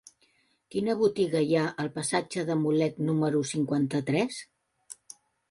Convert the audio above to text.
Quina botiga hi ha al passatge de Mulet número cinquanta-tres?